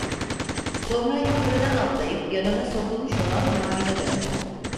Sonra yukarıdan atlayıp yanına sokulmuş olan muavine döndü: